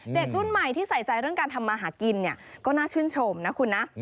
เด็กรุ่นใหม่ที่ใส่ใจเรื่องการทำมาหากินเนี่ยก็น่าชื่นชมนะคุณนะ